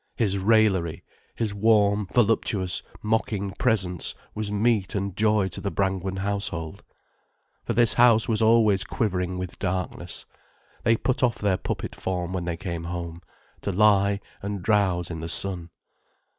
His raillery, his warm, voluptuous mocking presence was meat and joy to the Brangwen household. For this house was always quivering with darkness, they put off their puppet form when they came home, to lie and drowse in the sun.